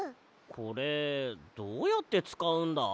これどうやってつかうんだ？